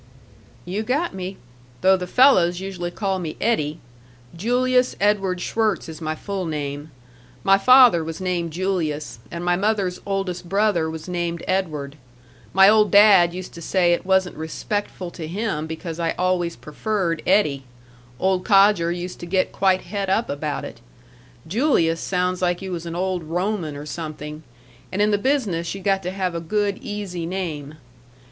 "You got me.... Though the fellows usually call me 'Eddie' Julius Edward Schwirtz is my full name my father was named Julius, and my mother's oldest brother was named Edward my old dad used to say it wasn't respectful to him because I always preferred 'Eddie' old codger used to get quite het up about it. Julius sounds like you was an old Roman or something, and in the business you got to have a good easy name.